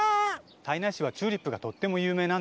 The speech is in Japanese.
胎内市はチューリップがとってもゆうめいなんですよ。